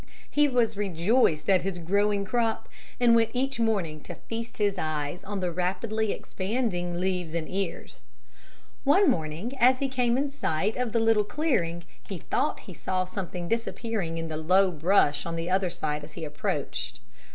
He was rejoiced at his growing crop and went each morning to feast his eyes on the rapidly expanding leaves and ears. One morning as he came in sight of the little clearing he thought he saw something disappearing in the low brush on the other side as he approached.